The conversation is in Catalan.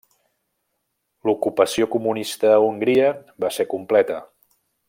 L'ocupació comunista a Hongria va ser completa.